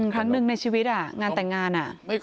ครั้งหนึ่งในชีวิตงานแต่งงาน